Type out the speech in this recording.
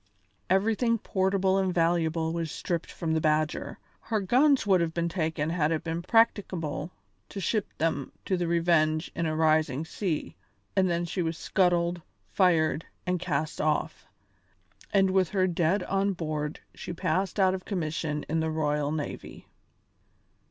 Everything portable and valuable was stripped from the Badger her guns would have been taken had it been practicable to ship them to the Revenge in a rising sea and then she was scuttled, fired, and cast off, and with her dead on board she passed out of commission in the royal navy.